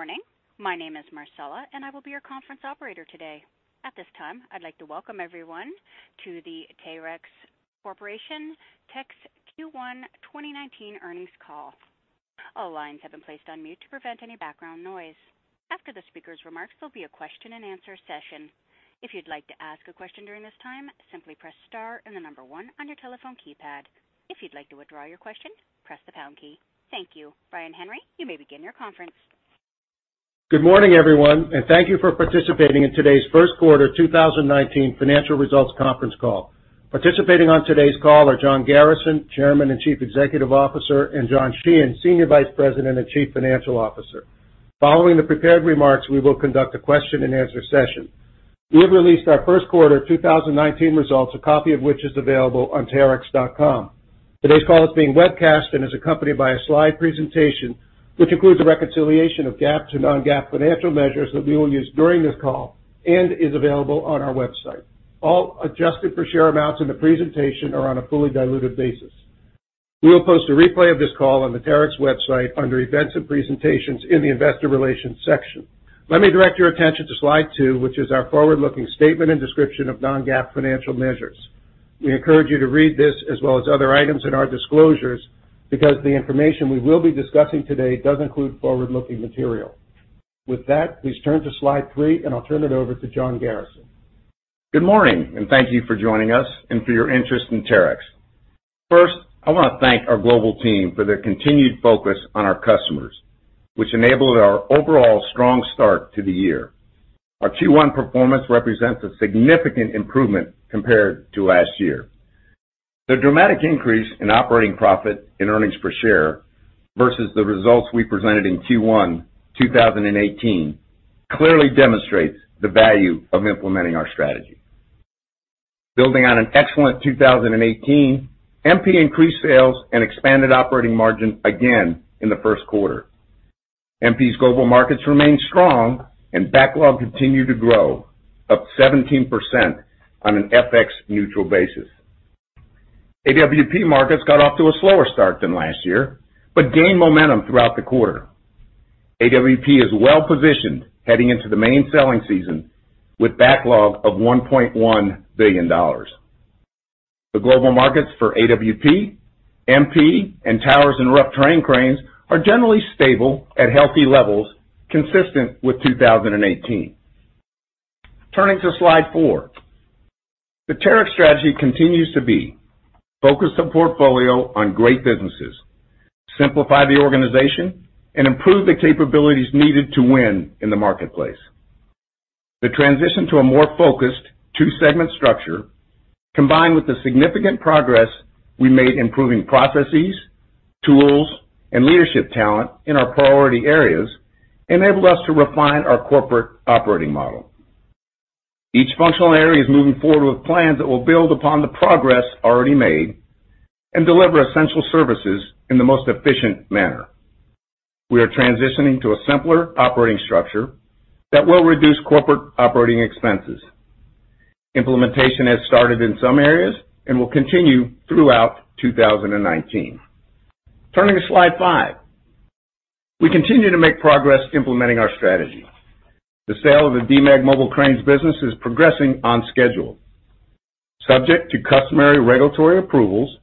Good morning. My name is Marcella, and I will be your conference operator today. At this time, I'd like to welcome everyone to the Terex Corporation Q1 2019 earnings call. All lines have been placed on mute to prevent any background noise. After the speaker's remarks, there will be a question and answer session. If you'd like to ask a question during this time, simply press star and the number one on your telephone keypad. If you'd like to withdraw your question, press the pound key. Thank you. Brian Henry, you may begin your conference. Good morning, everyone. Thank you for participating in today's Q1 2019 financial results conference call. Participating on today's call are John Garrison, Chairman and Chief Executive Officer, and John Sheehan, Senior Vice President and Chief Financial Officer. Following the prepared remarks, we will conduct a question and answer session. We have released our Q1 2019 results, a copy of which is available on terex.com. Today's call is being webcast and is accompanied by a slide presentation, which includes a reconciliation of GAAP to non-GAAP financial measures that we will use during this call and is available on our website. All adjusted per share amounts in the presentation are on a fully diluted basis. We will post a replay of this call on the Terex website under Events and Presentations in the Investor Relations section. Let me direct your attention to slide two, which is our forward-looking statement and description of non-GAAP financial measures. We encourage you to read this as well as other items in our disclosures because the information we will be discussing today does include forward-looking material. With that, please turn to slide three, I'll turn it over to John Garrison. Good morning. Thank you for joining us and for your interest in Terex. First, I want to thank our global team for their continued focus on our customers, which enabled our overall strong start to the year. Our Q1 performance represents a significant improvement compared to last year. The dramatic increase in operating profit and earnings per share versus the results we presented in Q1 2018 clearly demonstrates the value of implementing our strategy. Building on an excellent 2018, MP increased sales and expanded operating margin again in the Q1. MP's global markets remain strong and backlog continued to grow up 17% on an FX neutral basis. AWP markets got off to a slower start than last year, but gained momentum throughout the quarter. AWP is well-positioned heading into the main selling season with backlog of $1.1 billion. The global markets for AWP, MP, and towers and rough terrain cranes are generally stable at healthy levels, consistent with 2018. Turning to slide four. The Terex strategy continues to be focus the portfolio on great businesses, simplify the organization, and improve the capabilities needed to win in the marketplace. The transition to a more focused two-segment structure, combined with the significant progress we made improving processes, tools, and leadership talent in our priority areas, enabled us to refine our corporate operating model. Each functional area is moving forward with plans that will build upon the progress already made and deliver essential services in the most efficient manner. We are transitioning to a simpler operating structure that will reduce corporate operating expenses. Implementation has started in some areas and will continue throughout 2019. Turning to slide five. We continue to make progress implementing our strategy. The sale of the Demag Mobile Cranes business is progressing on schedule. Subject to customary regulatory approvals,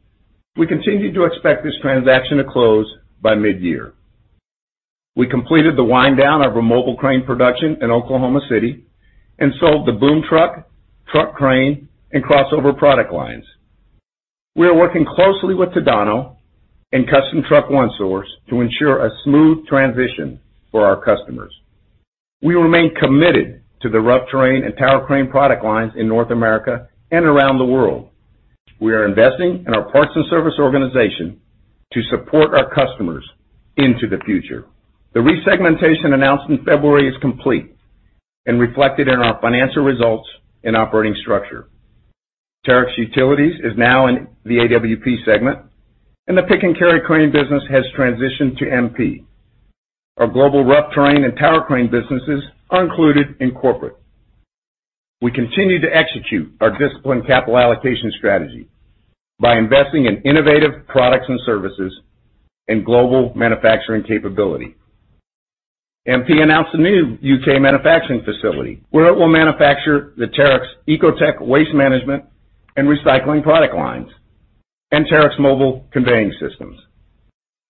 we continue to expect this transaction to close by mid-year. We completed the wind down of our mobile crane production in Oklahoma City and sold the boom truck crane, and crossover product lines. We are working closely with Tadano and Custom Truck One Source to ensure a smooth transition for our customers. We remain committed to the rough terrain and tower crane product lines in North America and around the world. We are investing in our parts and service organization to support our customers into the future. The resegmentation announced in February is complete and reflected in our financial results and operating structure. Terex Utilities is now in the AWP segment, and the Pick and Carry crane business has transitioned to MP. Our global rough terrain and tower crane businesses are included in corporate. We continue to execute our disciplined capital allocation strategy by investing in innovative products and services and global manufacturing capability. MP announced a new U.K. manufacturing facility where it will manufacture the Terex Ecotec waste management and recycling product lines and Terex mobile conveying systems.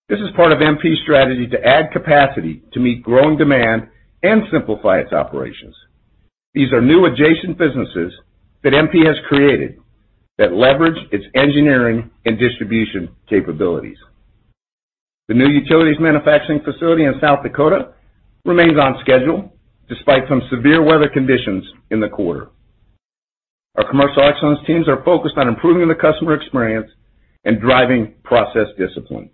This is part of MP's strategy to add capacity to meet growing demand and simplify its operations. These are new adjacent businesses that MP has created that leverage its engineering and distribution capabilities. The new utilities manufacturing facility in South Dakota remains on schedule despite some severe weather conditions in the quarter. Our commercial excellence teams are focused on improving the customer experience and driving process discipline.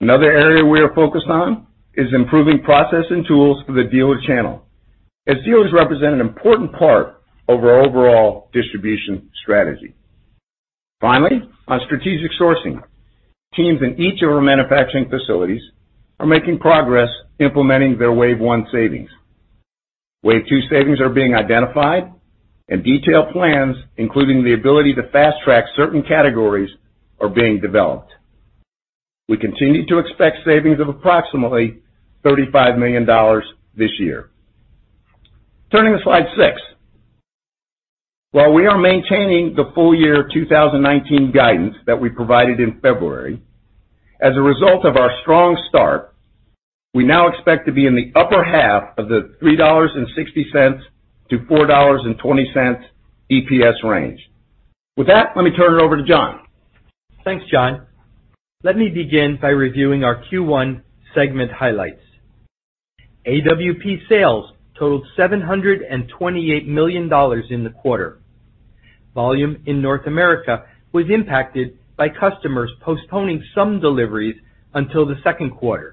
Another area we are focused on is improving process and tools for the dealer channel, as dealers represent an important part of our overall distribution strategy. Finally, on strategic sourcing. Teams in each of our manufacturing facilities are making progress implementing their wave one savings. Wave two savings are being identified and detailed plans, including the ability to fast-track certain categories, are being developed. We continue to expect savings of approximately $35 million this year. Turning to slide six. While we are maintaining the full year 2019 guidance that we provided in February, as a result of our strong start, we now expect to be in the upper half of the $3.60-$4.20 EPS range. With that, let me turn it over to John. Thanks, John. Let me begin by reviewing our Q1 segment highlights. AWP sales totaled $728 million in the quarter. Volume in North America was impacted by customers postponing some deliveries until the Q2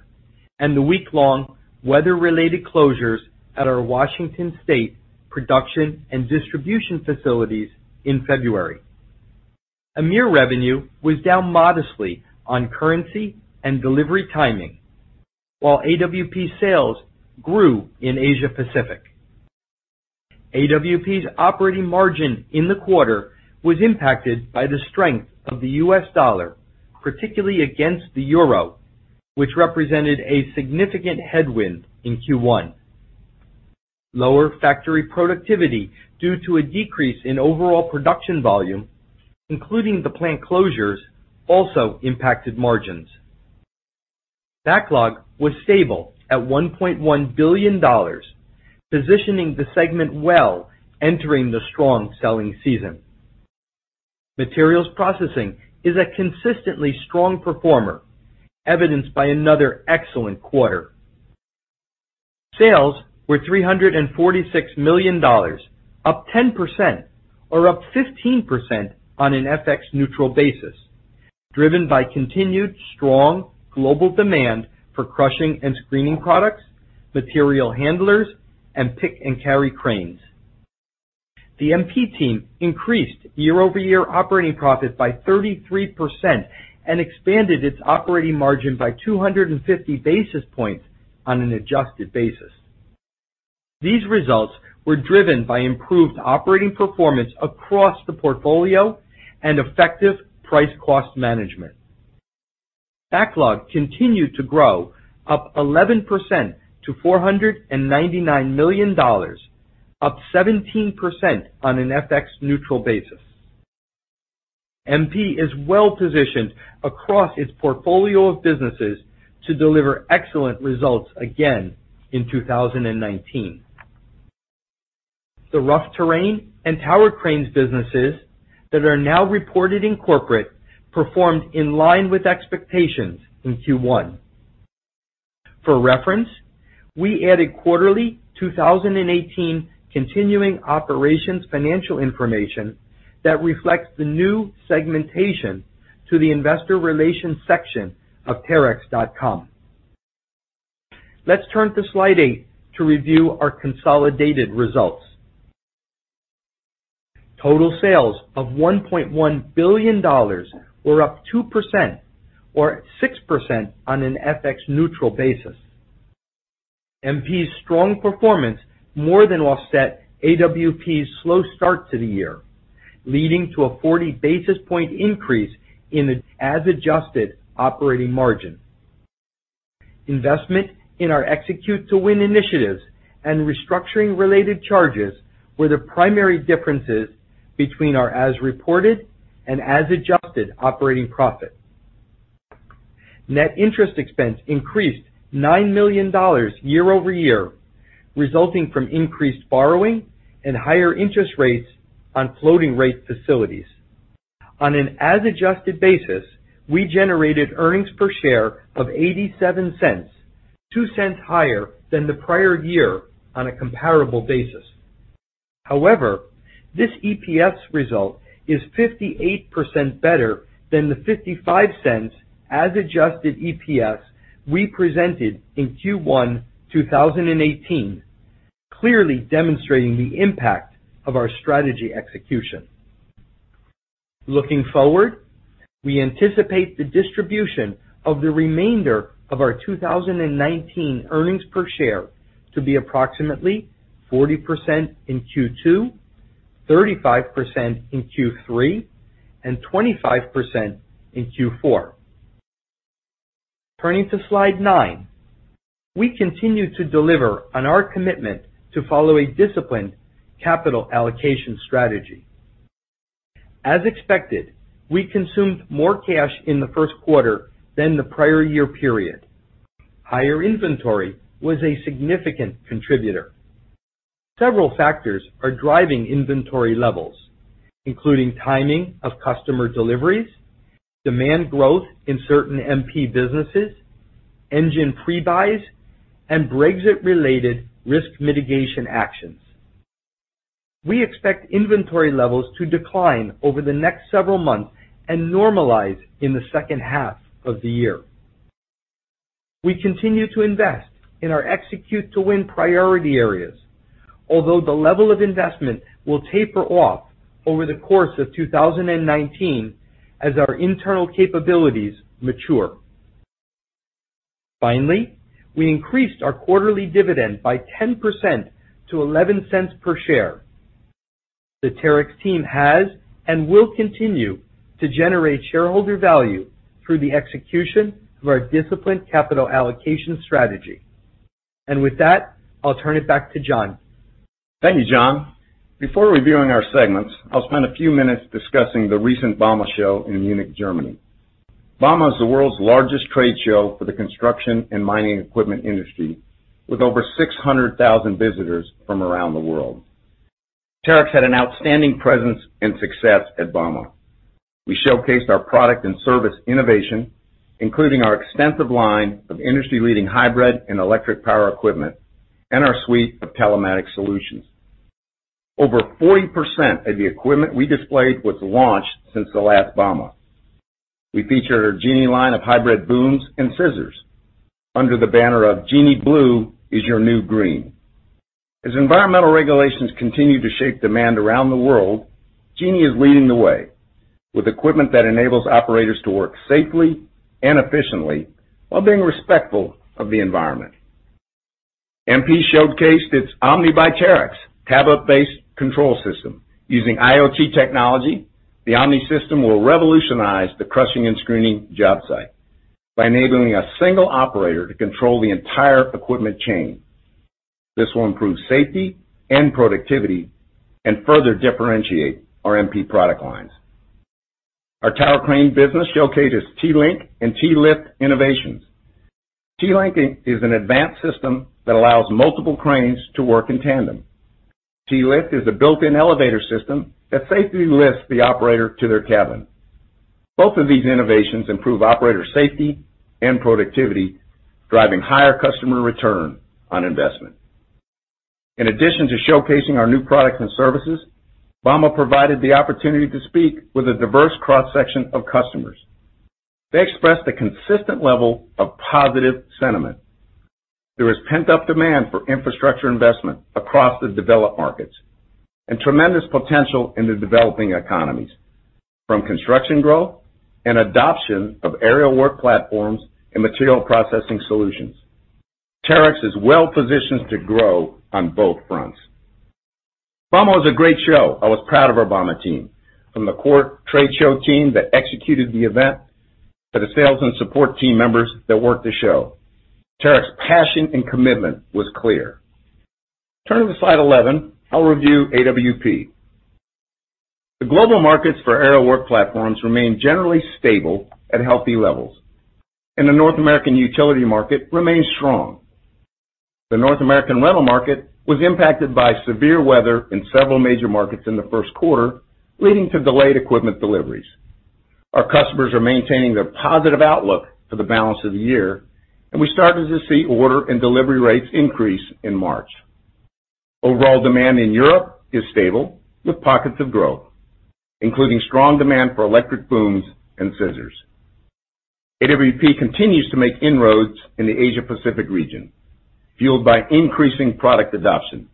and the week-long weather-related closures at our Washington State production and distribution facilities in February. EMEAR revenue was down modestly on currency and delivery timing while AWP sales grew in Asia Pacific. AWP's operating margin in the quarter was impacted by the strength of the US dollar, particularly against the EUR, which represented a significant headwind in Q1. Lower factory productivity due to a decrease in overall production volume, including the plant closures, also impacted margins. Backlog was stable at $1.1 billion, positioning the segment well entering the strong selling season. Materials Processing is a consistently strong performer, evidenced by another excellent quarter. Sales were $346 million, up 10% or up 15% on an FX neutral basis, driven by continued strong global demand for crushing and screening products, material handlers, and Pick and Carry cranes. The MP team increased year-over-year operating profit by 33% and expanded its operating margin by 250 basis points on an adjusted basis. These results were driven by improved operating performance across the portfolio and effective price-cost management. Backlog continued to grow up 11% to $499 million, up 17% on an FX neutral basis. MP is well positioned across its portfolio of businesses to deliver excellent results again in 2019. The rough terrain and tower cranes businesses that are now reported in corporate performed in line with expectations in Q1. For reference, we added quarterly 2018 continuing operations financial information that reflects the new segmentation to the investor relations section of terex.com. Let's turn to slide eight to review our consolidated results. Total sales of $1.1 billion were up 2% or 6% on an FX neutral basis. MP's strong performance more than offset AWP's slow start to the year, leading to a 40 basis point increase in as adjusted operating margin. Investment in our Execute to Win initiatives and restructuring related charges were the primary differences between our as reported and as adjusted operating profit. Net interest expense increased $9 million year-over-year, resulting from increased borrowing and higher interest rates on floating rate facilities. On an as adjusted basis, we generated earnings per share of $0.87, $0.02 higher than the prior year on a comparable basis. However, this EPS result is 58% better than the $0.55 as adjusted EPS we presented in Q1 2018, clearly demonstrating the impact of our strategy execution. Looking forward, we anticipate the distribution of the remainder of our 2019 earnings per share to be approximately 40% in Q2, 35% in Q3, and 25% in Q4. Turning to slide nine. We continue to deliver on our commitment to follow a disciplined capital allocation strategy. As expected, we consumed more cash in the Q1 than the prior year period. Higher inventory was a significant contributor. Several factors are driving inventory levels, including timing of customer deliveries, demand growth in certain MP businesses, engine pre-buys, and Brexit-related risk mitigation actions. We expect inventory levels to decline over the next several months and normalize in the H2 of the year. We continue to invest in our Execute to Win priority areas, although the level of investment will taper off over the course of 2019 as our internal capabilities mature. Finally, we increased our quarterly dividend by 10% to $0.11 per share. The Terex team has and will continue to generate shareholder value through the execution of our disciplined capital allocation strategy. With that, I'll turn it back to John. Thank you, John. Before reviewing our segments, I'll spend a few minutes discussing the recent bauma show in Munich, Germany. bauma is the world's largest trade show for the construction and mining equipment industry, with over 600,000 visitors from around the world. Terex had an outstanding presence and success at bauma. We showcased our product and service innovation, including our extensive line of industry-leading hybrid and electric power equipment, and our suite of telematics solutions. Over 40% of the equipment we displayed was launched since the last bauma. We featured our Genie line of hybrid booms and scissors under the banner of "Genie Blue Is Your New Green." As environmental regulations continue to shape demand around the world, Genie is leading the way with equipment that enables operators to work safely and efficiently while being respectful of the environment. MP showcased its OMNI by Terex tablet-based control system. Using IoT technology, the OMNI system will revolutionize the crushing and screening job site by enabling a single operator to control the entire equipment chain. This will improve safety and productivity and further differentiate our MP product lines. Our tower crane business showcased its T-Link and T-Lift innovations. T-Link is an advanced system that allows multiple cranes to work in tandem. T-Lift is a built-in elevator system that safely lifts the operator to their cabin. Both of these innovations improve operator safety and productivity, driving higher customer ROI. In addition to showcasing our new products and services, bauma provided the opportunity to speak with a diverse cross-section of customers. They expressed a consistent level of positive sentiment. There is pent-up demand for infrastructure investment across the developed markets and tremendous potential in the developing economies from construction growth and adoption of aerial work platforms and material processing solutions. Terex is well-positioned to grow on both fronts. bauma was a great show. I was proud of our bauma team, from the core trade show team that executed the event, to the sales and support team members that worked the show. Terex's passion and commitment was clear. Turning to slide 11, I'll review AWP. The global markets for aerial work platforms remain generally stable at healthy levels, and the North American utility market remains strong. The North American rental market was impacted by severe weather in several major markets in the Q1, leading to delayed equipment deliveries. Our customers are maintaining their positive outlook for the balance of the year. We're starting to see order and delivery rates increase in March. Overall demand in Europe is stable with pockets of growth, including strong demand for electric booms and scissors. AWP continues to make inroads in the Asia Pacific region, fueled by increasing product adoption.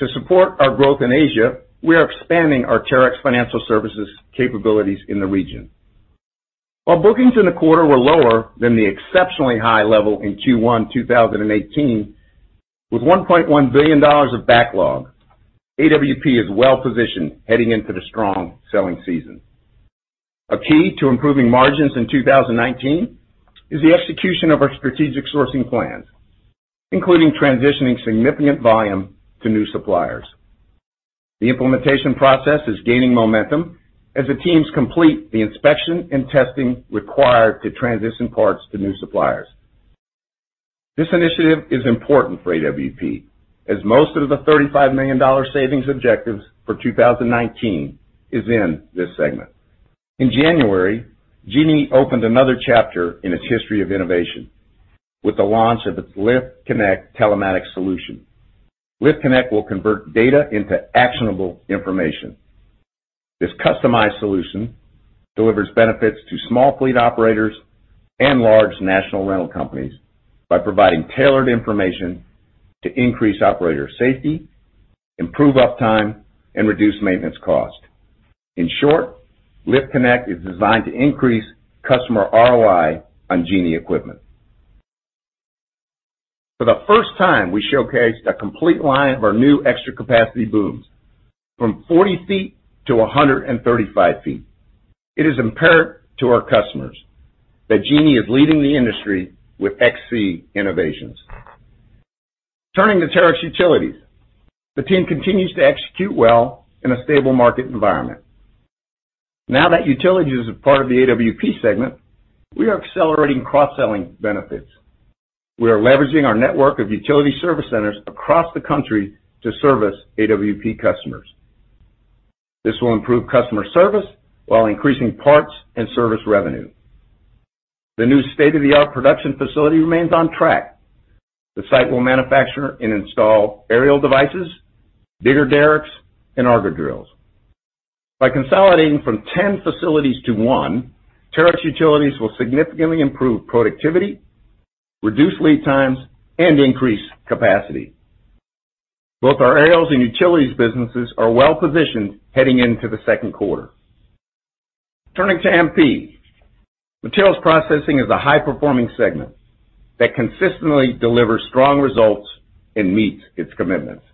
To support our growth in Asia, we are expanding our Terex Financial Services capabilities in the region. While bookings in the quarter were lower than the exceptionally high level in Q1 2018, with $1.1 billion of backlog, AWP is well-positioned heading into the strong selling season. A key to improving margins in 2019 is the execution of our strategic sourcing plans, including transitioning significant volume to new suppliers. The implementation process is gaining momentum as the teams complete the inspection and testing required to transition parts to new suppliers. This initiative is important for AWP, as most of the $35 million savings objectives for 2019 is in this segment. In January, Genie opened another chapter in its history of innovation with the launch of its Lift Connect telematics solution. Lift Connect will convert data into actionable information. This customized solution delivers benefits to small fleet operators and large national rental companies by providing tailored information to increase operator safety, improve uptime, and reduce maintenance cost. In short, Lift Connect is designed to increase customer ROI on Genie equipment. For the first time, we showcased a complete line of our new extra capacity booms from 40 feet to 135 feet. It is imperative to our customers that Genie is leading the industry with XC innovations. Turning to Terex Utilities, the team continues to execute well in a stable market environment. Now that Utilities is a part of the AWP segment, we are accelerating cross-selling benefits. We are leveraging our network of utility service centers across the country to service AWP customers. This will improve customer service while increasing parts and service revenue. The new state-of-the-art production facility remains on track. The site will manufacture and install aerial devices, Digger Derricks, and auger drills. By consolidating from 10 facilities to one, Terex Utilities will significantly improve productivity, reduce lead times, and increase capacity. Both our Aerials and utilities businesses are well-positioned heading into the Q2. Turning to MP. Materials Processing is a high-performing segment that consistently delivers strong results and meets its commitments.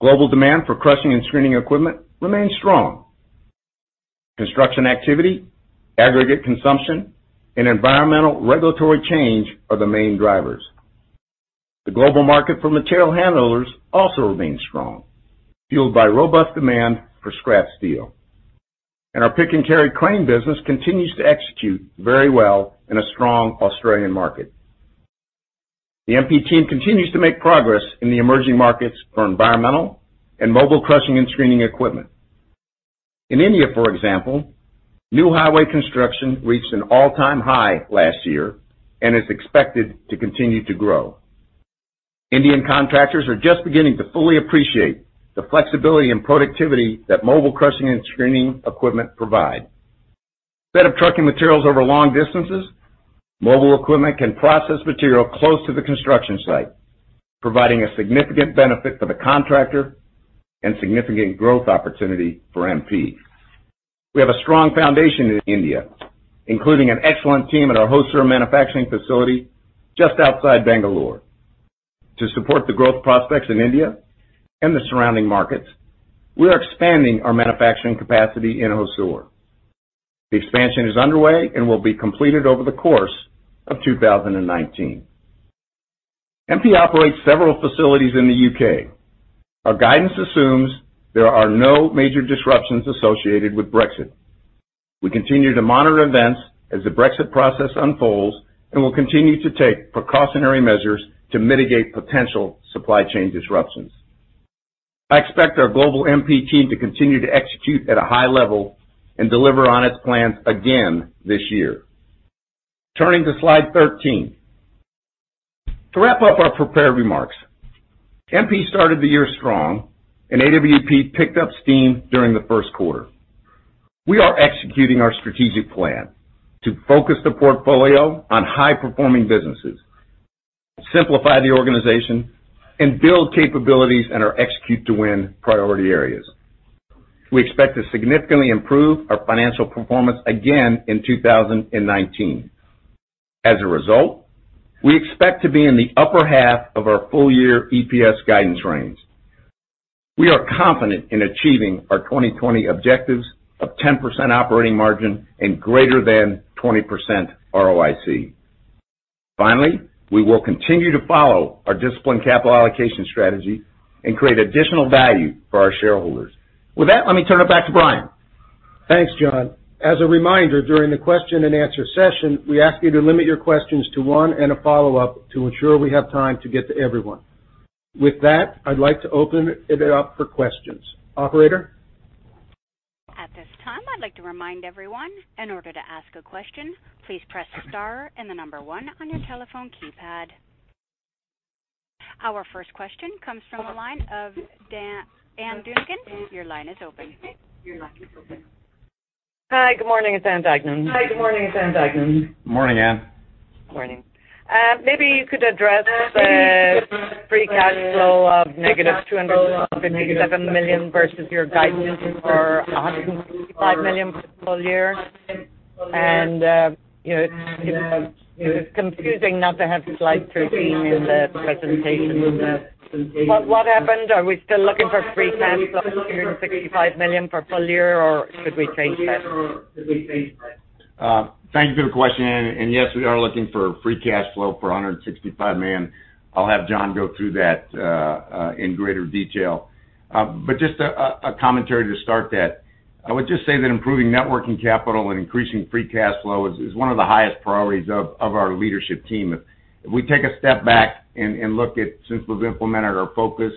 Global demand for crushing and screening equipment remains strong. Construction activity, aggregate consumption, and environmental regulatory change are the main drivers. The global market for material handlers also remains strong, fueled by robust demand for scrap steel. Our Pick and Carry crane business continues to execute very well in a strong Australian market. The MP team continues to make progress in the emerging markets for environmental and mobile crushing and screening equipment. In India, for example, new highway construction reached an all-time high last year and is expected to continue to grow. Indian contractors are just beginning to fully appreciate the flexibility and productivity that mobile crushing and screening equipment provide. Instead of trucking materials over long distances, mobile equipment can process material close to the construction site, providing a significant benefit for the contractor and significant growth opportunity for MP. We have a strong foundation in India, including an excellent team at our Hosur manufacturing facility just outside Bangalore. To support the growth prospects in India and the surrounding markets, we are expanding our manufacturing capacity in Hosur. The expansion is underway and will be completed over the course of 2019. MP operates several facilities in the U.K. Our guidance assumes there are no major disruptions associated with Brexit. We continue to monitor events as the Brexit process unfolds and will continue to take precautionary measures to mitigate potential supply chain disruptions. I expect our global MP team to continue to execute at a high level and deliver on its plans again this year. Turning to slide 13. To wrap up our prepared remarks, MP started the year strong, and AWP picked up steam during the Q1. We are executing our strategic plan to focus the portfolio on high-performing businesses, simplify the organization, and build capabilities in our Execute to Win priority areas. We expect to significantly improve our financial performance again in 2019. As a result, we expect to be in the upper half of our full-year EPS guidance range. We are confident in achieving our 2020 objectives of 10% operating margin and greater than 20% ROIC. We will continue to follow our disciplined capital allocation strategy and create additional value for our shareholders. With that, let me turn it back to Brian. Thanks, John. As a reminder, during the question-and-answer session, we ask you to limit your questions to one and a follow-up to ensure we have time to get to everyone. With that, I'd like to open it up for questions. Operator? At this time, I'd like to remind everyone, in order to ask a question, please press star and the number one on your telephone keypad. Our first question comes from the line of Ann Duignan. Your line is open. Hi. Good morning. It's Ann Duignan. Morning, Ann. Morning. Maybe you could address free cash flow of negative $257 million versus your guidance for $165 million for the full year. It's confusing not to have slide 13 in the presentation. What happened? Are we still looking for free cash flow of $165 million for full year, or should we take that? Thank you for the question, Ann. Yes, we are looking for free cash flow for $165 million. I'll have John go through that in greater detail. Just a commentary to start that. I would just say that improving networking capital and increasing free cash flow is one of the highest priorities of our leadership team. If we take a step back and look at since we've implemented our Focus,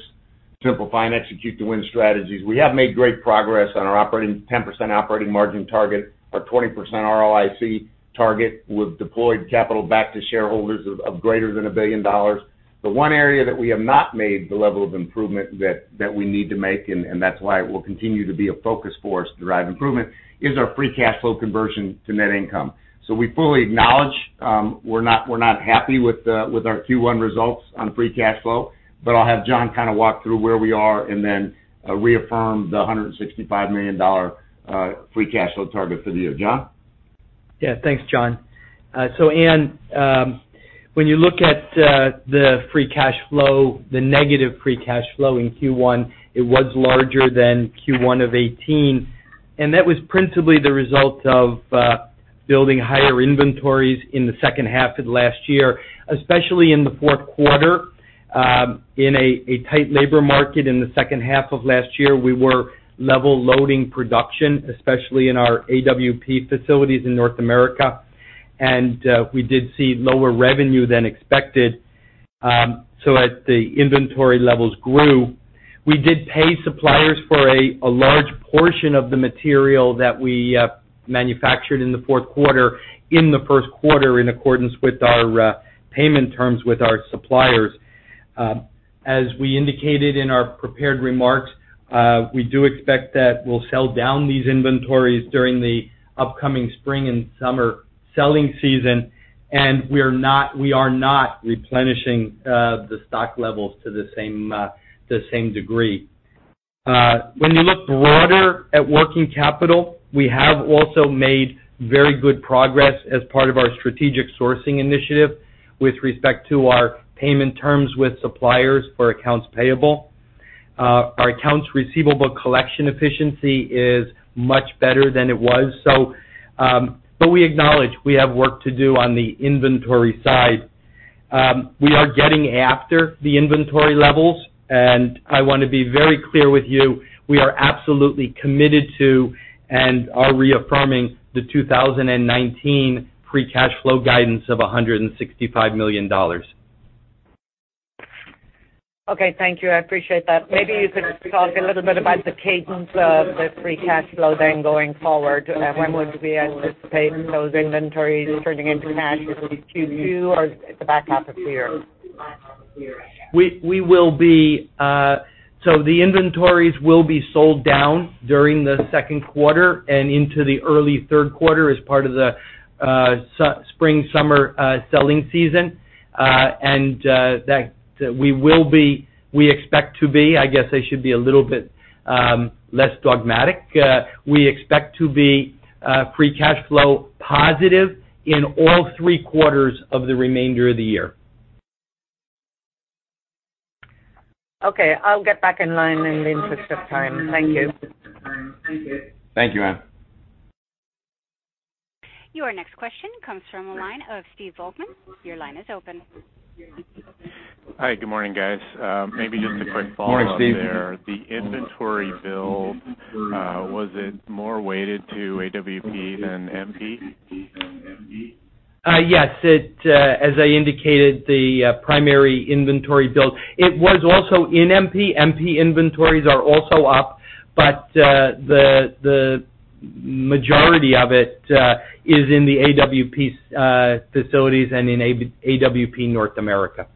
Simplify, and Execute to Win strategies, we have made great progress on our 10% operating margin target, our 20% ROIC target. We've deployed capital back to shareholders of greater than $1 billion. The one area that we have not made the level of improvement that we need to make, and that's why it will continue to be a focus for us to drive improvement, is our free cash flow conversion to net income. We fully acknowledge we're not happy with our Q1 results on free cash flow, I'll have John kind of walk through where we are and then reaffirm the $165 million free cash flow target for the year. John? Yeah. Thanks, John. Ann, when you look at the free cash flow, the negative free cash flow in Q1, it was larger than Q1 of 2018, That was principally the result of building higher inventories in the H2 of last year, especially in the Q4. In a tight labor market in the H2 of last year, we were level loading production, especially in our AWP facilities in North America, we did see lower revenue than expected. As the inventory levels grew, we did pay suppliers for a large portion of the material that we manufactured in the Q4, in the Q1, in accordance with our payment terms with our suppliers. As we indicated in our prepared remarks We do expect that we'll sell down these inventories during the upcoming spring and summer selling season, and we are not replenishing the stock levels to the same degree. When you look broader at working capital, we have also made very good progress as part of our strategic sourcing initiative with respect to our payment terms with suppliers for accounts payable. Our accounts receivable collection efficiency is much better than it was. We acknowledge we have work to do on the inventory side. We are getting after the inventory levels, and I want to be very clear with you, we are absolutely committed to and are reaffirming the 2019 free cash flow guidance of $165 million. Okay, thank you. I appreciate that. Maybe you could talk a little bit about the cadence of the free cash flow then going forward. When would we anticipate those inventories turning into cash? Is it Q2 or the back half of the year? The inventories will be sold down during the Q2 and into the early Q3 as part of the spring-summer selling season. We expect to be, I guess I should be a little bit less dogmatic. We expect to be free cash flow positive in all three quarters of the remainder of the year. Okay. I'll get back in line in the interest of time. Thank you. Thank you, Ann. Your next question comes from the line of Steve Volkmann. Your line is open. Hi. Good morning, guys. Maybe just a quick follow-up there. Good morning, Steve. The inventory build, was it more weighted to AWP than MP? Yes. As I indicated, the primary inventory build was also in MP. MP inventories are also up, but the majority of it is in the AWP facilities and in AWP North America.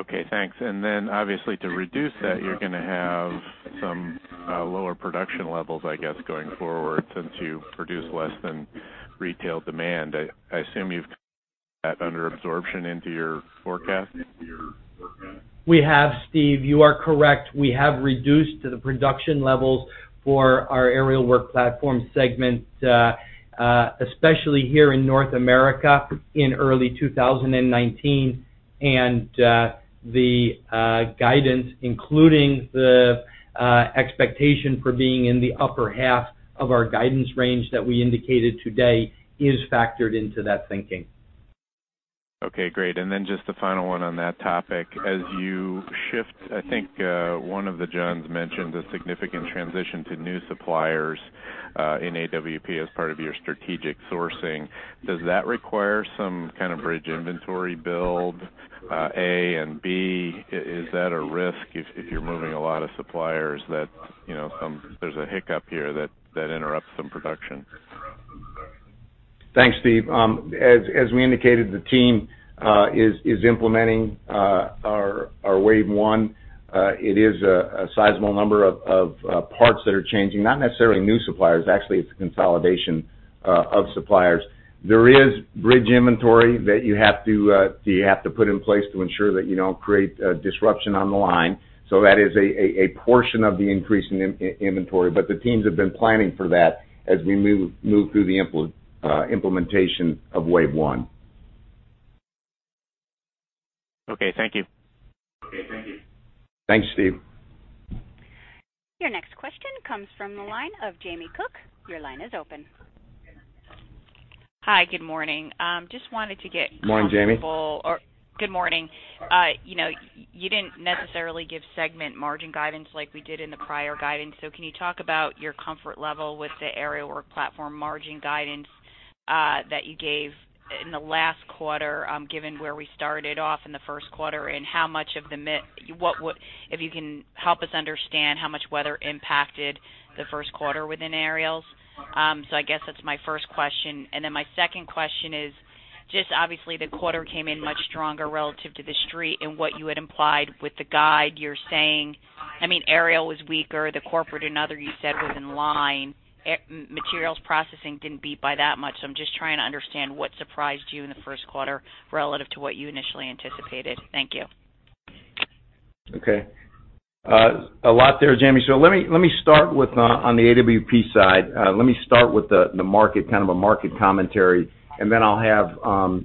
Okay, thanks. Obviously to reduce that, you're going to have some lower production levels, I guess, going forward since you produce less than retail demand. I assume you've that under absorption into your forecast? We have, Steve. You are correct. We have reduced the production levels for our Aerial Work Platforms segment, especially here in North America in early 2019. The guidance, including the expectation for being in the upper half of our guidance range that we indicated today, is factored into that thinking. Okay, great. Then just the final one on that topic. As you shift, I think one of the Johns mentioned the significant transition to new suppliers in AWP as part of your strategic sourcing. Does that require some kind of bridge inventory build, A, and B, is that a risk if you're moving a lot of suppliers that there's a hiccup here that interrupts some production? Thanks, Steve. As we indicated, the team is implementing our wave one. It is a sizable number of parts that are changing, not necessarily new suppliers. Actually, it's a consolidation of suppliers. There is bridge inventory that you have to put in place to ensure that you don't create disruption on the line. That is a portion of the increase in inventory, the teams have been planning for that as we move through the implementation of wave one. Okay, thank you. Thanks, Steve. Your next question comes from the line of Jamie Cook. Your line is open. Hi. Good morning. Just wanted to get [comfortable]. Morning, Jamie. Good morning. You didn't necessarily give segment margin guidance like we did in the prior guidance, so can you talk about your comfort level with the Aerial Work Platforms margin guidance that you gave in the last quarter, given where we started off in the Q1? If you can help us understand how much weather impacted the Q1 within Aerials? I guess that's my first question, and then my second question is, obviously the quarter came in much stronger relative to the street and what you had implied with the guide. You're saying, Aerial was weaker, the corporate and other you said was in line. Materials Processing didn't beat by that much. I'm just trying to understand what surprised you in the Q1 relative to what you initially anticipated. Thank you. Okay. A lot there, Jamie. Let me start on the AWP side. Let me start with kind of a market commentary, then I'll have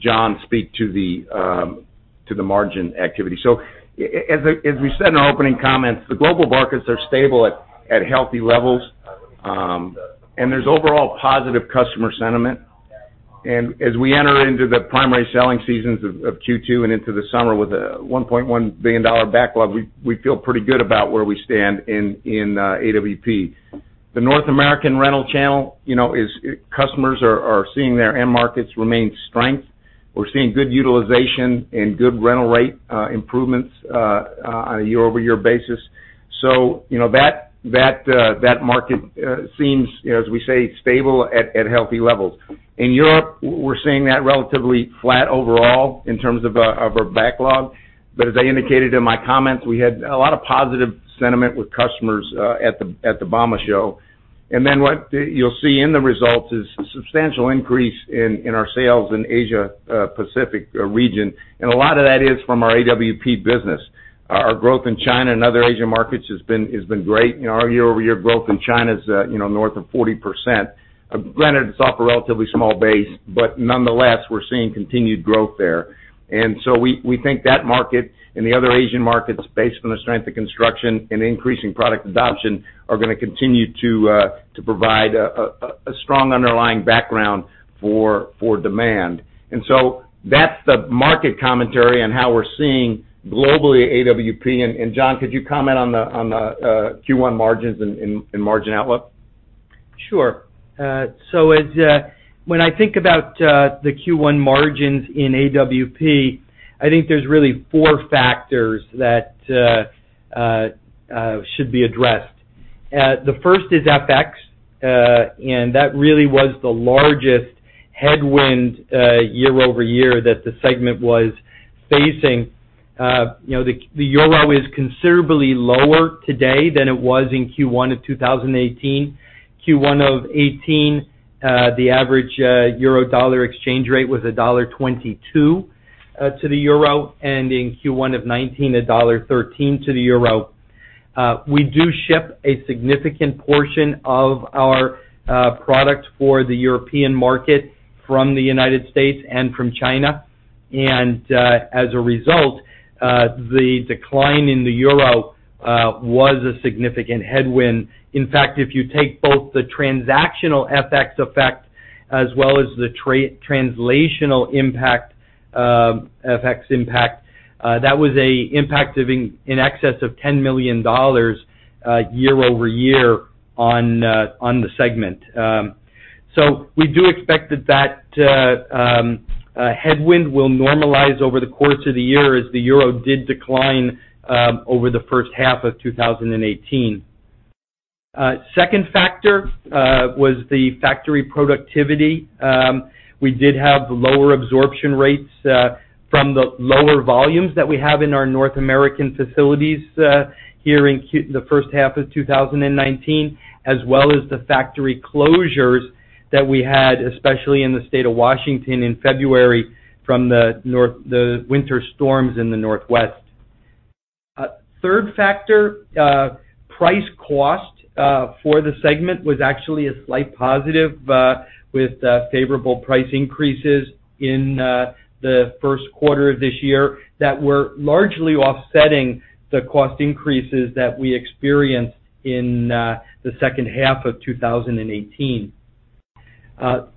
John speak to the margin activity. As we said in our opening comments, the global markets are stable at healthy levels, and there's overall positive customer sentiment. As we enter into the primary selling seasons of Q2 and into the summer with a $1.1 billion backlog, we feel pretty good about where we stand in AWP. The North American rental channel, customers are seeing their end markets remain strength. We're seeing good utilization and good rental rate improvements on a year-over-year basis. That market seems, as we say, stable at healthy levels. In Europe, we're seeing that relatively flat overall in terms of our backlog. As I indicated in my comments, we had a lot of positive sentiment with customers at the bauma show. What you'll see in the results is a substantial increase in our sales in Asia Pacific region, and a lot of that is from our AWP business. Our growth in China and other Asian markets has been great. Our year-over-year growth in China is north of 40%. Granted, it's off a relatively small base, but nonetheless, we're seeing continued growth there. We think that market and the other Asian markets, based on the strength of construction and increasing product adoption, are going to continue to provide a strong underlying background for demand. That's the market commentary on how we're seeing globally AWP. John, could you comment on the Q1 margins and margin outlook? Sure. When I think about the Q1 margins in AWP, I think there's really four factors that should be addressed. The first is FX, that really was the largest headwind year-over-year that the segment was facing. The EUR is considerably lower today than it was in Q1 of 2018. Q1 of 2018, the average EUR/USD exchange rate was $1.22 to the EUR, and in Q1 of 2019, $1.13 to the EUR. We do ship a significant portion of our product for the European market from the U.S. and from China. As a result, the decline in the EUR was a significant headwind. In fact, if you take both the transactional FX effect as well as the translational FX impact, that was an impact of in excess of $10 million year-over-year on the segment. We do expect that that headwind will normalize over the course of the year as the EUR did decline over the H1 of 2018. Second factor was the factory productivity. We did have lower absorption rates from the lower volumes that we have in our North American facilities here in the H1 of 2019, as well as the factory closures that we had, especially in the state of Washington in February from the winter storms in the Northwest. Third factor, price cost for the segment was actually a slight positive with favorable price increases in the Q1 of this year that were largely offsetting the cost increases that we experienced in the H2 of 2018.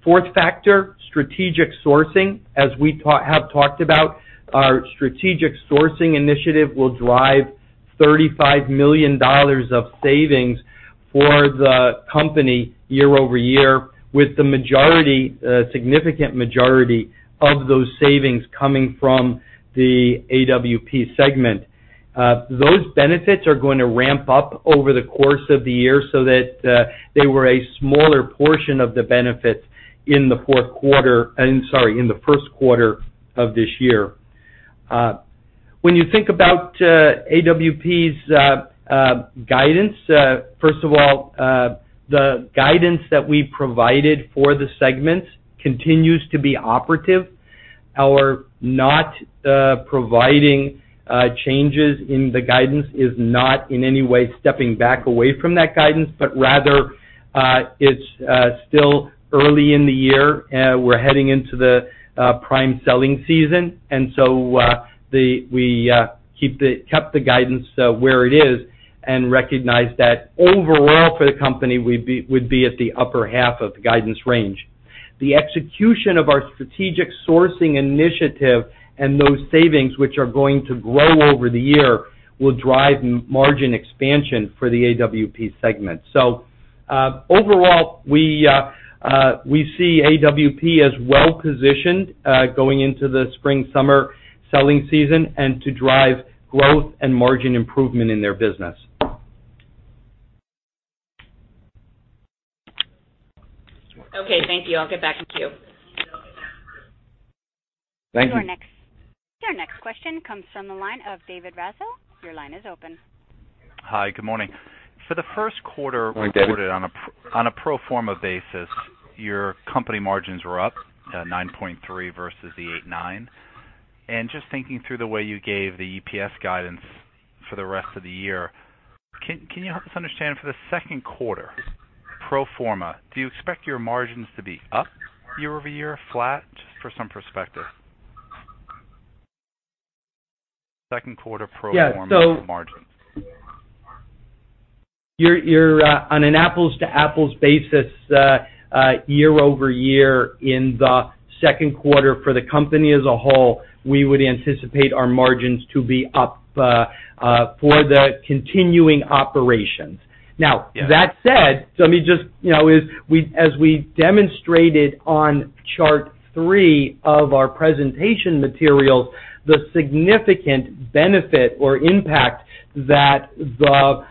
Fourth factor, strategic sourcing. As we have talked about, our Strategic Sourcing Initiative will drive $35 million of savings for the company year-over-year, with the significant majority of those savings coming from the AWP segment. Those benefits are going to ramp up over the course of the year, so that they were a smaller portion of the benefits in the Q1 of this year. When you think about AWP's guidance, first of all, the guidance that we provided for the segments continues to be operative. Our not providing changes in the guidance is not in any way stepping back away from that guidance, but rather it's still early in the year. We're heading into the prime selling season, we kept the guidance where it is and recognize that overall for the company, we'd be at the upper half of the guidance range. The execution of our Strategic Sourcing Initiative and those savings, which are going to grow over the year, will drive margin expansion for the AWP segment. Overall, we see AWP as well-positioned going into the spring, summer selling season, to drive growth and margin improvement in their business. Okay, thank you. I'll get back in queue. Thank you. Your next question comes from the line of David Raso. Your line is open. Hi, good morning. For the Q1 reported on a pro forma basis, your company margins were up 9.3% versus the 8.9%. Just thinking through the way you gave the EPS guidance for the rest of the year, can you help us understand for the Q2 pro forma, do you expect your margins to be up year-over-year, flat? Just for some perspective. Q2 pro forma margins. Yeah. On an apples-to-apples basis year-over-year in the Q2 for the company as a whole, we would anticipate our margins to be up for the continuing operations. Now, that said, as we demonstrated on chart three of our presentation materials, the significant benefit or impact that the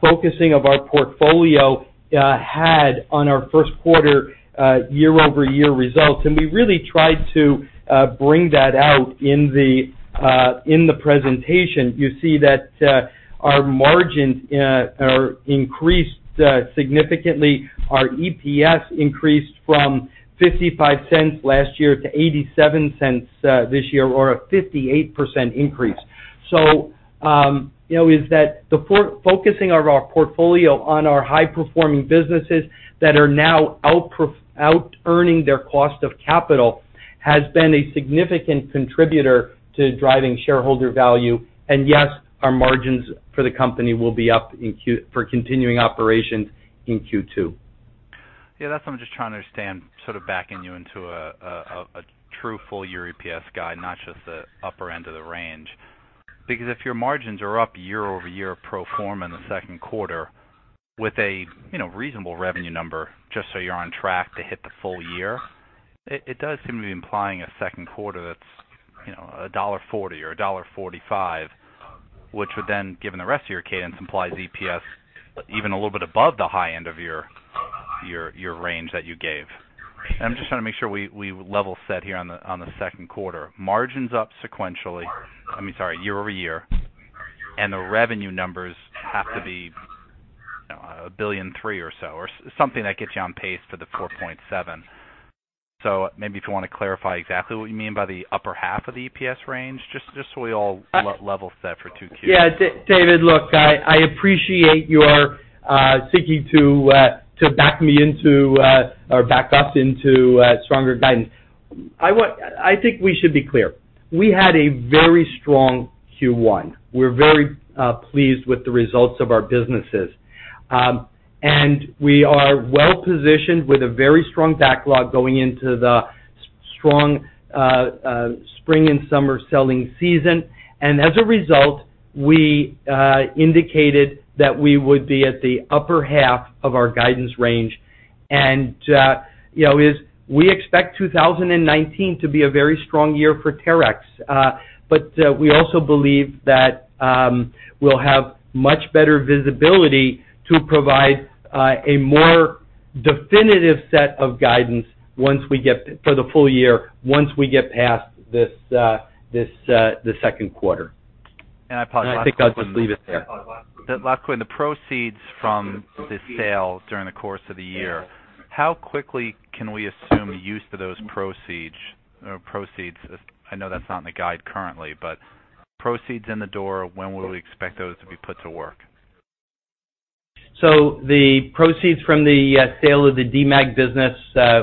focusing of our portfolio had on our Q1 year-over-year results, and we really tried to bring that out in the presentation. You see that our margins are increased significantly. Our EPS increased from $0.55 last year to $0.87 this year, or a 58% increase. That the focusing of our portfolio on our high-performing businesses that are now out-earning their cost of capital has been a significant contributor to driving shareholder value. Yes, our margins for the company will be up for continuing operations in Q2. Yeah, that's what I'm just trying to understand, sort of backing you into a true full year EPS guide, not just the upper end of the range. If your margins are up year-over-year pro forma in the Q2 with a reasonable revenue number, just so you're on track to hit the full year, it does seem to be implying a Q2 that's $1.40 or $1.45, which would then, given the rest of your cadence, implies EPS even a little bit above the high end of your range that you gave. I'm just trying to make sure we level set here on the Q2. Margins up sequentially, I mean, sorry, year-over-year, and the revenue numbers have to be $1.3 billion or so, or something that gets you on pace for the $4.7. maybe if you want to clarify exactly what you mean by the upper half of the EPS range, just so we all level set for 2Q. David, look, I appreciate your seeking to back me into, or back us into stronger guidance. I think we should be clear. We had a very strong Q1. We're very pleased with the results of our businesses. We are well-positioned with a very strong backlog going into the strong spring and summer selling season. As a result, we indicated that we would be at the upper half of our guidance range. We expect 2019 to be a very strong year for Terex. We also believe that we'll have much better visibility to provide a more definitive set of guidance for the full year, once we get past the Q2. I think I'll just leave it there. Last question. The proceeds from the sale during the course of the year, how quickly can we assume the use of those proceeds? I know that's not in the guide currently, proceeds in the door, when will we expect those to be put to work? The proceeds from the sale of the Demag business,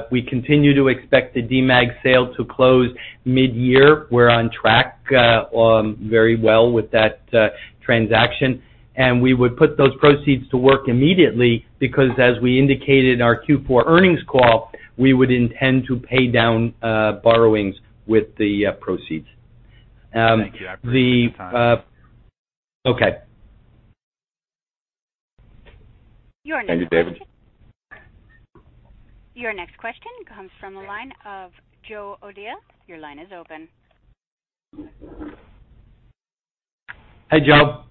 we continue to expect the Demag sale to close mid-year. We are on track very well with that transaction, we would put those proceeds to work immediately because as we indicated in our Q4 earnings call, we would intend to pay down borrowings with the proceeds. Okay. Thank you, David. Your next question comes from the line of Joseph O'Dea. Your line is open. Hi, Joe. Hi.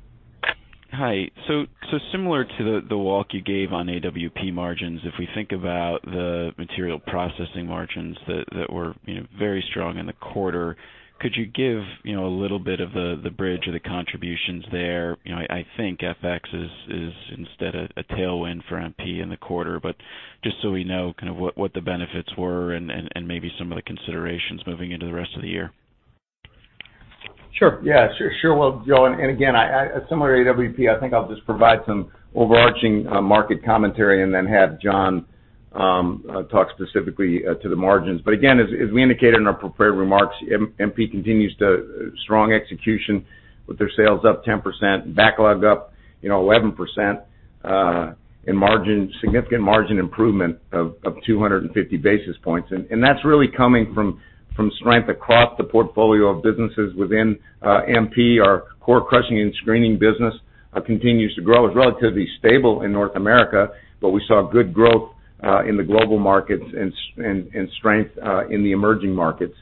Similar to the walk you gave on AWP margins, if we think about the Materials Processing margins that were very strong in the quarter, could you give a little bit of the bridge or the contributions there? I think FX is instead a tailwind for MP in the quarter, but just so we know kind of what the benefits were and maybe some of the considerations moving into the rest of the year. Sure. Yeah. Sure. Joe, again, similar to AWP, I think I'll just provide some overarching market commentary and then have John talk specifically to the margins. As we indicated in our prepared remarks, MP continues strong execution with their sales up 10%, backlog up 11%, and significant margin improvement of 250 basis points. That's really coming from strength across the portfolio of businesses within MP. Our core crushing and screening business continues to grow. It's relatively stable in North America, but we saw good growth in the global markets and strength in the emerging markets.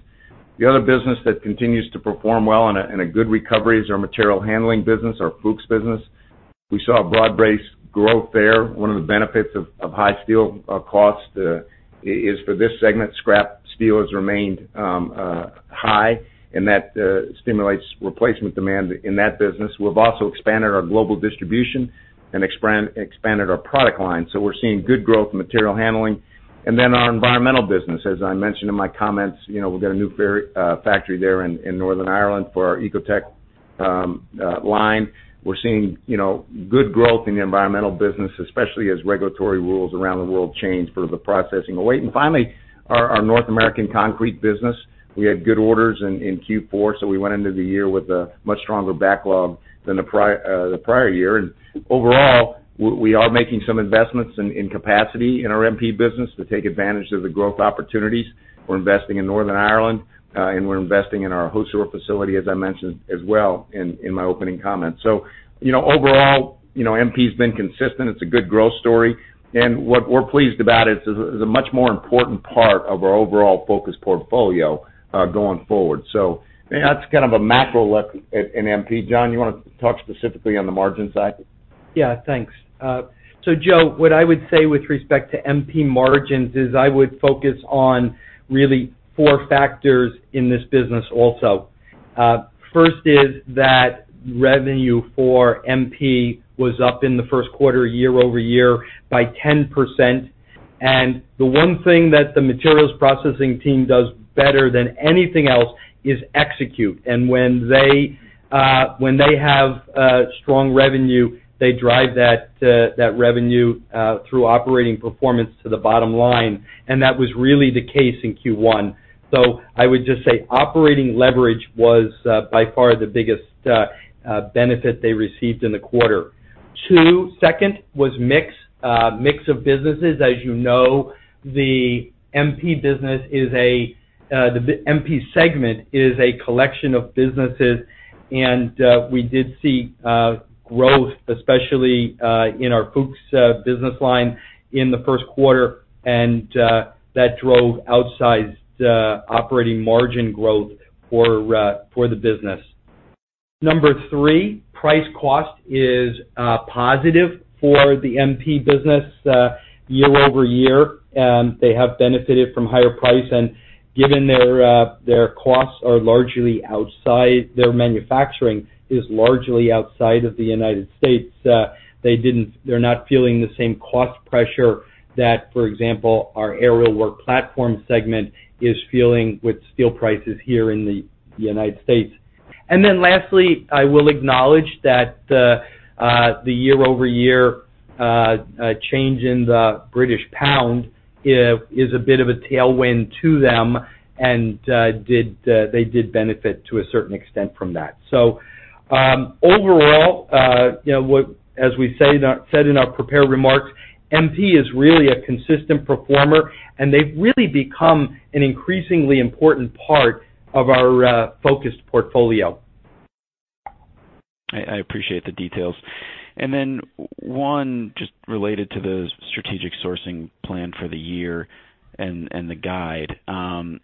The other business that continues to perform well and a good recovery is our material handling business, our Fuchs business. We saw a broad-based growth there. One of the benefits of high steel cost is for this segment, scrap steel has remained high, and that stimulates replacement demand in that business. We've also expanded our global distribution and expanded our product line. We're seeing good growth in material handling. Our environmental business, as I mentioned in my comments, we've got a new factory there in Northern Ireland for our Ecotec line. We're seeing good growth in the environmental business, especially as regulatory rules around the world change for the processing away. Finally, our North American concrete business. We had good orders in Q4, we went into the year with a much stronger backlog than the prior year. Overall, we are making some investments in capacity in our MP business to take advantage of the growth opportunities. We're investing in Northern Ireland, and we're investing in our Hosur facility, as I mentioned as well in my opening comments. Overall, MP's been consistent. It's a good growth story. What we're pleased about is a much more important part of our overall focused portfolio going forward. That's kind of a macro look at MP. John, you want to talk specifically on the margin side? Thanks. Joe, what I would say with respect to MP margins is I would focus on really four factors in this business also. First is that revenue for MP was up in the Q1, year-over-year by 10%. The one thing that the Materials Processing team does better than anything else is execute. When they have strong revenue, they drive that revenue through operating performance to the bottom line. That was really the case in Q1. I would just say operating leverage was by far the biggest benefit they received in the quarter. Second, was mix of businesses. As you know, the MP segment is a collection of businesses, and we did see growth, especially in our Fuchs business line in the Q1, that drove outsized operating margin growth for the business. Third, price cost is positive for the MP business year-over-year. They have benefited from higher price, given their costs are largely outside, their manufacturing is largely outside of the United States. They're not feeling the same cost pressure that, for example, our Aerial Work Platform segment is feeling with steel prices here in the United States. Lastly, I will acknowledge that the year-over-year change in the British pound is a bit of a tailwind to them and they did benefit to a certain extent from that. Overall, as we said in our prepared remarks, MP is really a consistent performer, and they've really become an increasingly important part of our focused portfolio. I appreciate the details. Then one just related to the strategic sourcing plan for the year and the guide.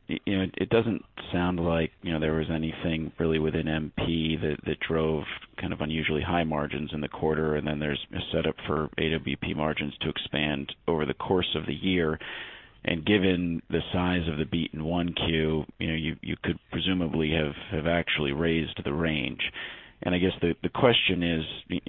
It doesn't sound like there was anything really within MP that drove kind of unusually high margins in the quarter, then there's a setup for AWP margins to expand over the course of the year. Given the size of the beat in 1Q, you could presumably have actually raised the range. I guess the question is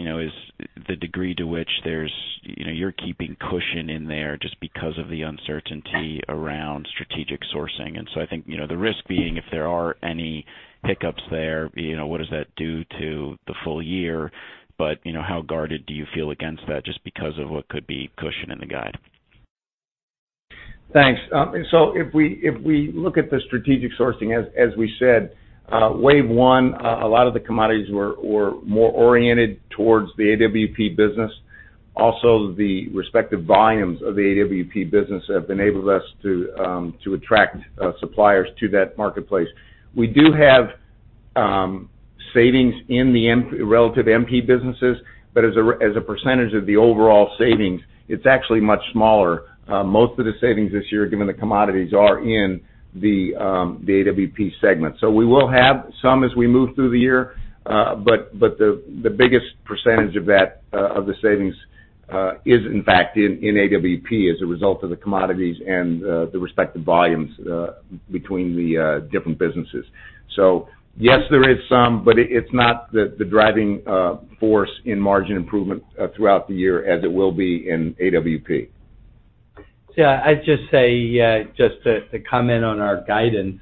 the degree to which you're keeping cushion in there just because of the uncertainty around strategic sourcing. So I think, the risk being if there are any hiccups there, what does that do to the full year? How guarded do you feel against that just because of what could be cushion in the guide? Thanks. If we look at the strategic sourcing, as we said, wave one, a lot of the commodities were more oriented towards the AWP business. Also, the respective volumes of the AWP business have enabled us to attract suppliers to that marketplace. We do have savings in the relative MP businesses, but as a percentage of the overall savings, it's actually much smaller. Most of the savings this year, given the commodities, are in the AWP segment. We will have some as we move through the year. The biggest percentage of the savings is in fact in AWP as a result of the commodities and the respective volumes between the different businesses. Yes, there is some, but it's not the driving force in margin improvement throughout the year as it will be in AWP. I'd just say, just to comment on our guidance,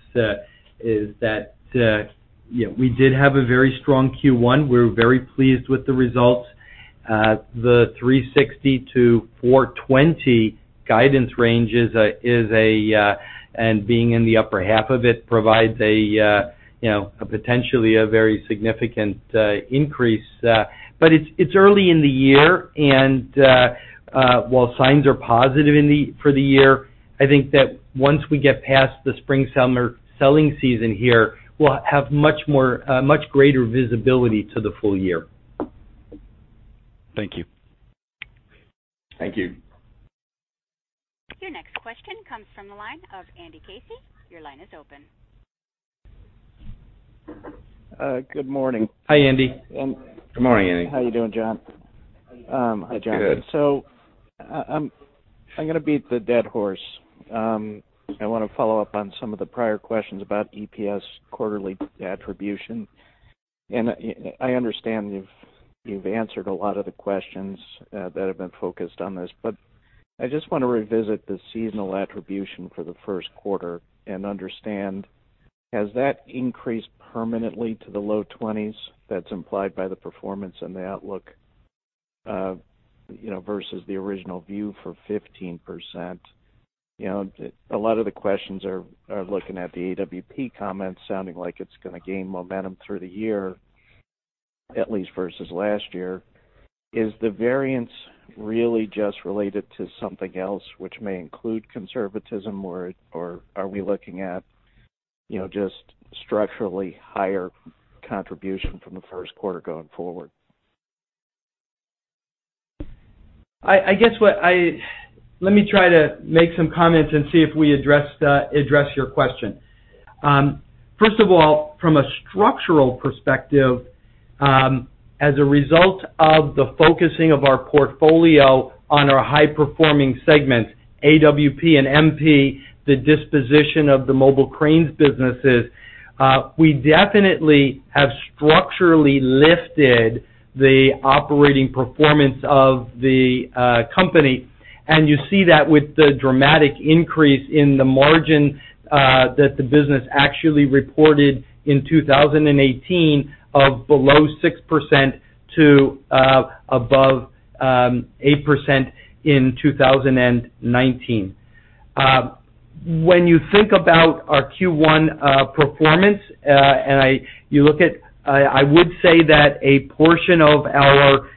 is that we did have a very strong Q1. We're very pleased with the results. The 360 to 420 guidance ranges, being in the upper half of it provides potentially a very significant increase. It's early in the year, and while signs are positive for the year, I think that once we get past the spring-summer selling season here, we'll have much greater visibility to the full year. Thank you. Thank you. Your next question comes from the line of Andy Casey. Your line is open. Good morning. Hi, Andy. Good morning, Andy. How you doing, John? Good. I'm going to beat the dead horse. I want to follow up on some of the prior questions about EPS quarterly attribution. I understand you've answered a lot of the questions that have been focused on this, but I just want to revisit the seasonal attribution for the Q1 and understand, has that increased permanently to the low 20s that's implied by the performance and the outlook versus the original view for 15%? A lot of the questions are looking at the AWP comments sounding like it's going to gain momentum through the year, at least versus last year. Is the variance really just related to something else, which may include conservatism, or are we looking at just structurally higher contribution from the Q1 going forward? Let me try to make some comments and see if we address your question. First of all, from a structural perspective, as a result of the focusing of our portfolio on our high-performing segments, AWP and MP, the disposition of the mobile cranes businesses, we definitely have structurally lifted the operating performance of the company. You see that with the dramatic increase in the margin that the business actually reported in 2018 of below 6% to above 8% in 2019. When you think about our Q1 performance, I would say that a portion of our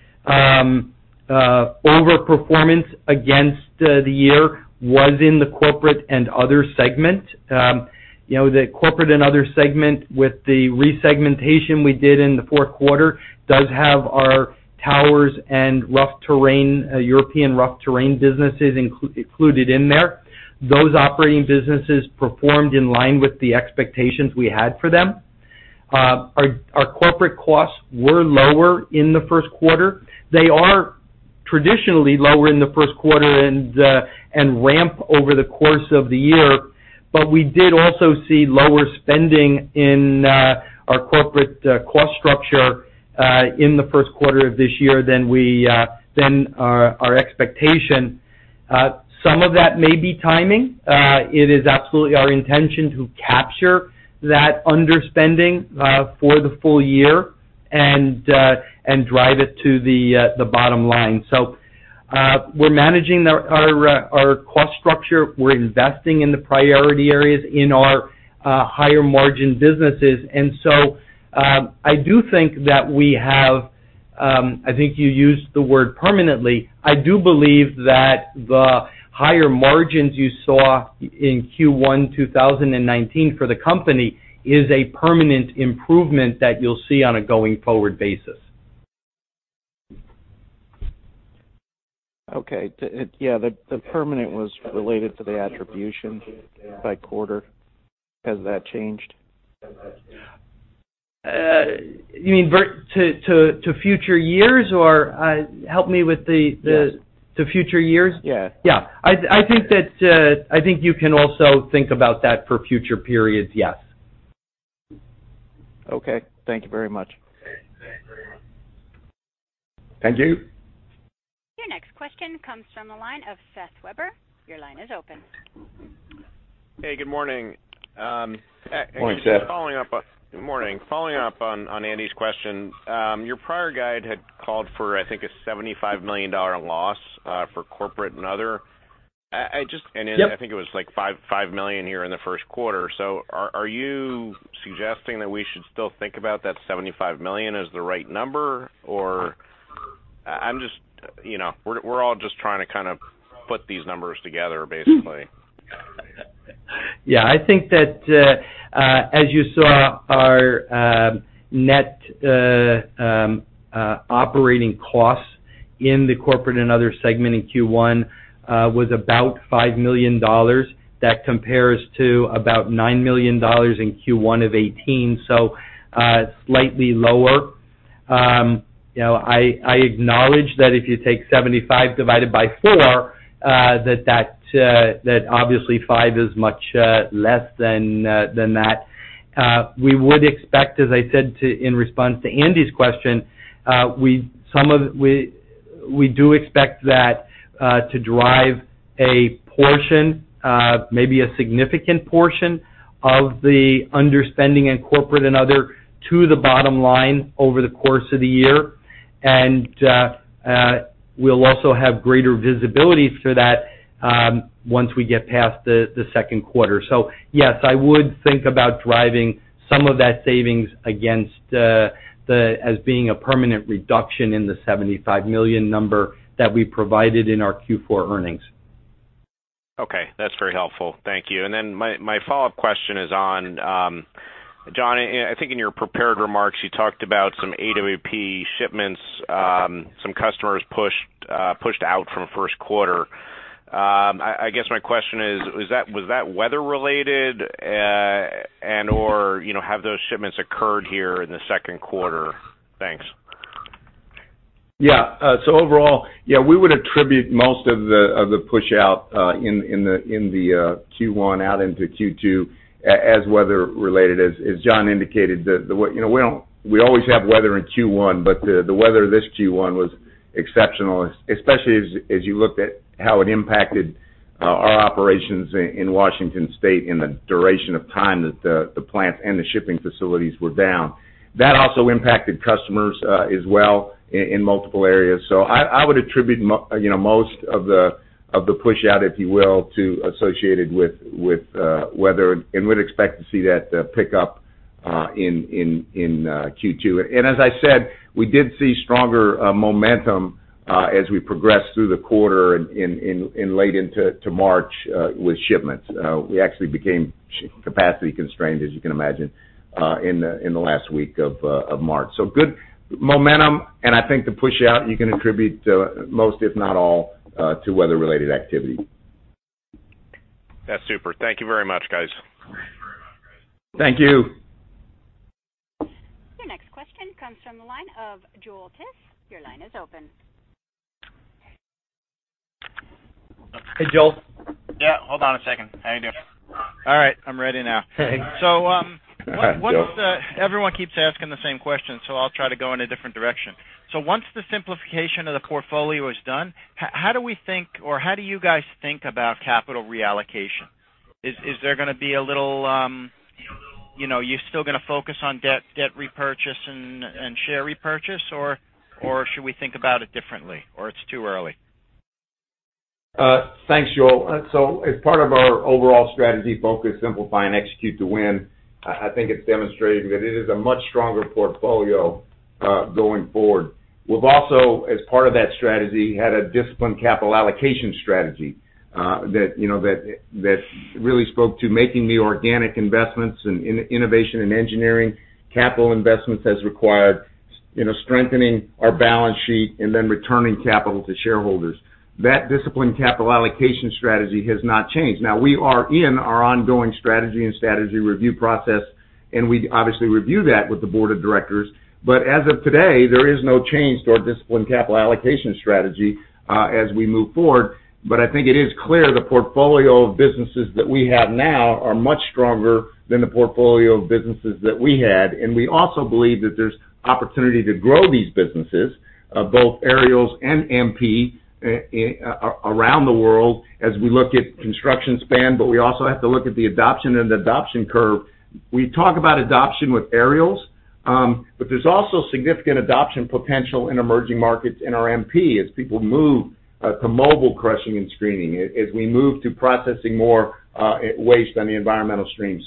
over-performance against the year was in the corporate and other segment. The corporate and other segment with the resegmentation we did in the Q4 does have our towers and European rough terrain businesses included in there. Those operating businesses performed in line with the expectations we had for them. Our corporate costs were lower in the Q1. They are traditionally lower in the Q1 and ramp over the course of the year. We did also see lower spending in our corporate cost structure, in the Q1 of this year than our expectation. Some of that may be timing. It is absolutely our intention to capture that underspending for the full year and drive it to the bottom line. We're managing our cost structure. We're investing in the priority areas in our higher margin businesses. I do think that we have. I think you used the word permanently. I do believe that the higher margins you saw in Q1 2019 for the company is a permanent improvement that you'll see on a going-forward basis. Okay. Yeah, the permanent was related to the attribution by quarter. Has that changed? You mean to future years or? Yes. To future years? Yeah. Yeah. I think you can also think about that for future periods, yes. Okay. Thank you very much. Thank you. Your next question comes from the line of Seth Weber. Your line is open. Hey, good morning. Morning, Seth. Good morning. Following up on Andy's question. Your prior guide had called for, I think, a $75 million loss, for corporate and other. Yep. I think it was like $5 million here in the Q1. Are you suggesting that we should still think about that $75 million as the right number? We're all just trying to kind of put these numbers together, basically. Yeah, I think that, as you saw, our net operating costs in the corporate and other segment in Q1 was about $5 million. That compares to about $9 million in Q1 of 2018, slightly lower. I acknowledge that if you take 75 divided by four, that obviously five is much less than that. We would expect, as I said in response to Andy's question, we do expect that to drive a portion, maybe a significant portion, of the underspending in corporate and other to the bottom line over the course of the year. We'll also have greater visibility for that once we get past the Q2. Yes, I would think about driving some of that savings against as being a permanent reduction in the $75 million number that we provided in our Q4 earnings. Okay. That's very helpful. Thank you. My follow-up question is on, John, I think in your prepared remarks, you talked about some AWP shipments. Some customers pushed out from Q1. I guess my question is, was that weather related? And/or, have those shipments occurred here in the Q2? Thanks. Yeah. Overall, we would attribute most of the push out in the Q1 out into Q2 as weather related, as John indicated. We always have weather in Q1, but the weather this Q1 was exceptional, especially as you looked at how it impacted our operations in Washington State and the duration of time that the plant and the shipping facilities were down. That also impacted customers as well in multiple areas. I would attribute most of the push out, if you will, to associated with weather and would expect to see that pick up in Q2. As I said, we did see stronger momentum as we progressed through the quarter and late into March with shipments. We actually became capacity constrained, as you can imagine, in the last week of March. Good momentum, and I think the push out you can attribute most, if not all, to weather-related activity. That's super. Thank you very much, guys. Thank you. Your next question comes from the line of Joel Tiss. Your line is open. Hey, Joel. How you doing? All right, I'm ready now. Hey. Everyone keeps asking the same question, so I'll try to go in a different direction. Once the simplification of the portfolio is done, how do you guys think about capital reallocation? Are you still going to focus on debt repurchase and share repurchase, or should we think about it differently? It's too early? Thanks, Joel. As part of our overall strategy, focus, simplify, and Execute to Win, I think it's demonstrating that it is a much stronger portfolio going forward. We've also, as part of that strategy, had a disciplined capital allocation strategy that really spoke to making the organic investments in innovation and engineering capital investments as required, strengthening our balance sheet, and then returning capital to shareholders. That disciplined capital allocation strategy has not changed. Now, we are in our ongoing strategy and strategy review process, and we obviously review that with the board of directors. As of today, there is no change to our disciplined capital allocation strategy as we move forward. I think it is clear the portfolio of businesses that we have now are much stronger than the portfolio of businesses that we had. We also believe that there's opportunity to grow these businesses, both Aerials and MP, around the world as we look at construction spend. We also have to look at the adoption and the adoption curve. We talk about adoption with Aerials, but there's also significant adoption potential in emerging markets in our MP as people move to mobile crushing and screening, as we move to processing more waste on the environmental stream.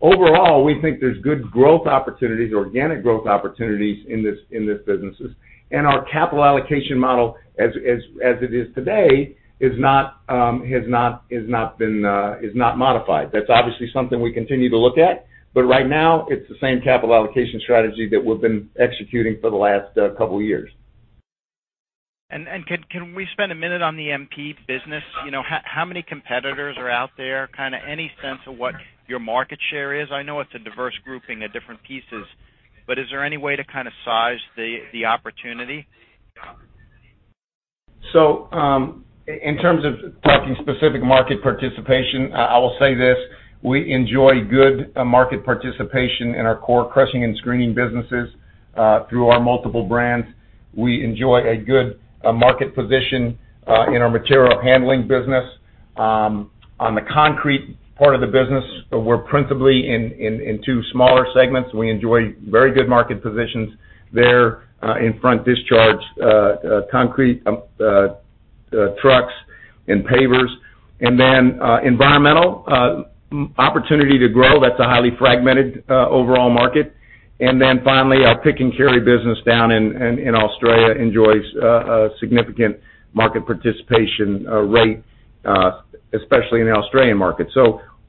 Overall, we think there's good growth opportunities, organic growth opportunities in these businesses. Our capital allocation model, as it is today, is not modified. That's obviously something we continue to look at. Right now, it's the same capital allocation strategy that we've been executing for the last couple of years. Can we spend a minute on the MP business? How many competitors are out there? Kind of any sense of what your market share is? I know it's a diverse grouping of different pieces, but is there any way to kind of size the opportunity? In terms of talking specific market participation, I will say this, we enjoy good market participation in our core crushing and screening businesses through our multiple brands. We enjoy a good market position in our material handling business. On the concrete part of the business, we're principally in two smaller segments. We enjoy very good market positions there in front discharge concrete trucks and pavers. Environmental, opportunity to grow. That's a highly fragmented overall market. Finally, our Pick and Carry business down in Australia enjoys a significant market participation rate, especially in the Australian market.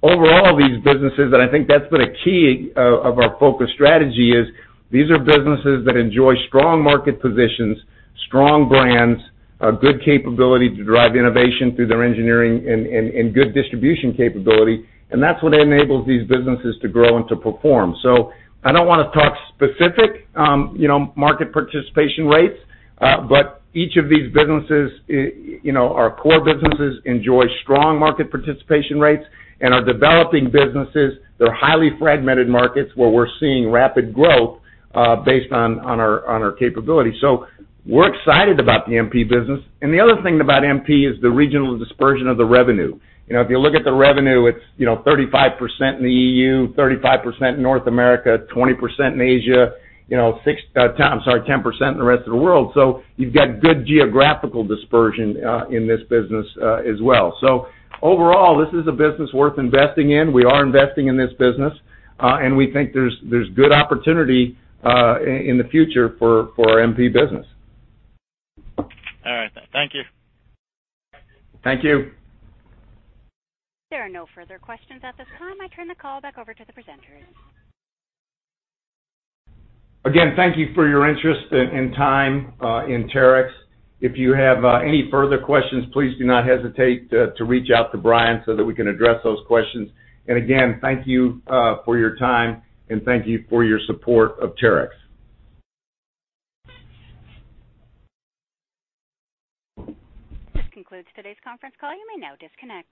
Overall, these businesses, and I think that's been a key of our focus strategy is these are businesses that enjoy strong market positions, strong brands, a good capability to drive innovation through their engineering, and good distribution capability. That's what enables these businesses to grow and to perform. I don't want to talk specific market participation rates. Each of these businesses, our core businesses enjoy strong market participation rates and are developing businesses that are highly fragmented markets where we're seeing rapid growth based on our capability. We're excited about the MP business. The other thing about MP is the regional dispersion of the revenue. If you look at the revenue, it's 35% in the EU, 35% in North America, 20% in Asia, 10% in the rest of the world. You've got good geographical dispersion in this business as well. Overall, this is a business worth investing in. We are investing in this business. We think there's good opportunity in the future for our MP business. All right. Thank you. Thank you. There are no further questions at this time. I turn the call back over to the presenters. Again, thank you for your interest and time in Terex. If you have any further questions, please do not hesitate to reach out to Brian so that we can address those questions. Again, thank you for your time, and thank you for your support of Terex. This concludes today's conference call. You may now disconnect.